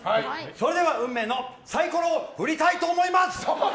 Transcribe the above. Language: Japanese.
それでは運命のサイコロ振りたいと思います！